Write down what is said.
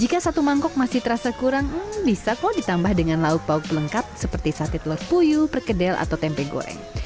jika satu mangkok masih terasa kurang hmm bisa kok ditambah dengan lauk lauk lengkap seperti sate telur puyuh perkedel atau tempe goreng